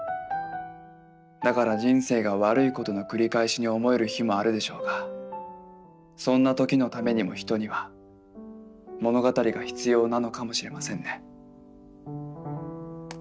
だから人生が悪いことの繰り返しに思える日もあるでしょうがそんな時のためにも人には「物語」が必要なのかもしれませんね。